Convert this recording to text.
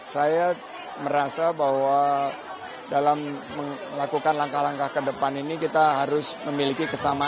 saya merasa bahwa dalam melakukan langkah langkah ke depan ini kita harus memiliki kesamaan